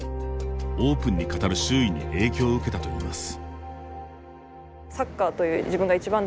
オープンに語る周囲に影響を受けたといいます。